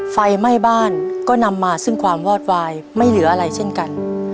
ไฟไหม้บ้านก็นำมาซึ่งความวอดวายไม่เหลืออะไรเช่นกัน